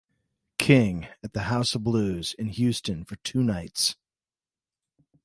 King at the House of Blues in Houston for two nights.